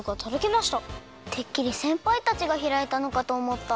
てっきりせんぱいたちがひらいたのかとおもった。